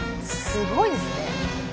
すごいですね。